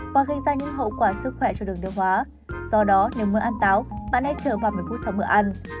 và gây ra những hậu quả sức khỏe cho đường tiêu hóa do đó nếu muốn ăn táo bạn hãy chờ vào một mươi phút sau bữa ăn